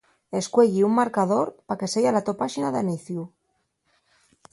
Escueyi un marcador pa que seya la to páxina d'aniciu.